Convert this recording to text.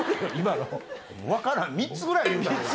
分からん３つぐらい言うたで今。